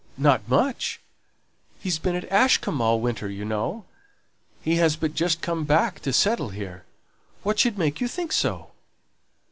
not much. He's been at Ashcombe all winter, you know! He has but just come back to settle here. What should make you think so?"